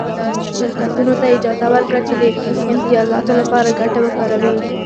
شرکتونو ته یې اجازه ورکړه چې د امتیازاتو لپاره ګټه وکاروي